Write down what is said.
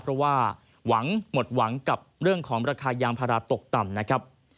เพราะว่าหวังหมดหวังกับเรื่องของราคายางพาราตกต่ำนะครับ